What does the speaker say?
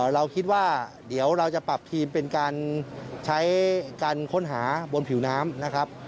เราคิดว่าเดี๋ยวเราจะปรับทีมเป็นการใช้การค้นหาบนผิวน้ำนะครับ